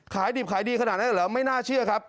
ขายดิบขายดีขนาดนั้นเหรอไม่น่าเชื่อครับ